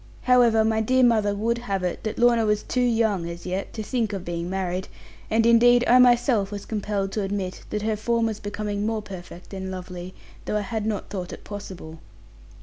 However, my dear mother would have it that Lorna was too young, as yet, to think of being married: and indeed I myself was compelled to admit that her form was becoming more perfect and lovely; though I had not thought it possible.